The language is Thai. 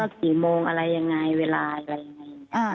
กี่โมงอะไรยังไงเวลาอะไรยังไง